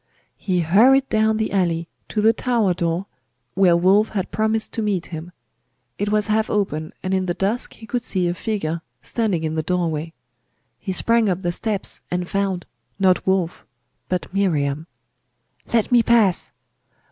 He hurried down the alley, to the tower door, where Wulf had promised to meet him. It was half open, and in the dusk he could see a figure standing in the doorway. He sprang up the steps, and found, not Wulf, but Miriam. 'Let me pass!